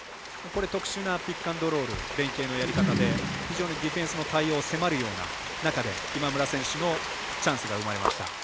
これ、特殊なピックアンドロール連携のやりかたで非常にディフェンスの対応を迫るような中で今村選手のチャンスが生まれました。